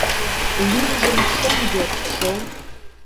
— Лӱмжым шым йод шол.